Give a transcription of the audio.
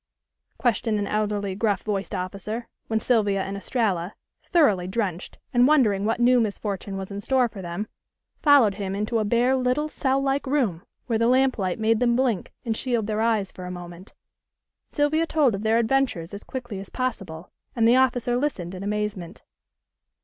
questioned an elderly gruff voiced officer, when Sylvia and Estralla, thoroughly drenched and wondering what new misfortune was in store for them, followed him into a bare little cell like room where the lamplight made them blink and shield their eyes for a moment. Sylvia told of their adventures as quickly as possible, and the officer listened in amazement.